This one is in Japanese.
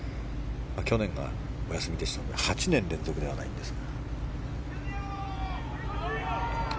去年がお休みでしたから８年連続ではないんですが。